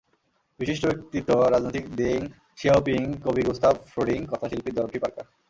বিশিষ্ট ব্যক্তিত্ব—রাজনৈতিক Deng Xiaoping, কবি গুস্তাভ ফ্রোডিং, কথাশিল্পী ডরোথি পার্কার।